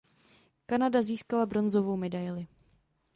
Kanada získala bronzovou medaili.